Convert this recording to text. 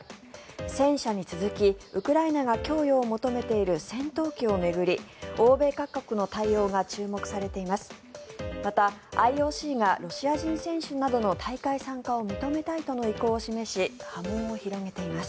戦車に続きウクライナが供与を求めている戦闘機を巡り欧米各国の対応が注目されています。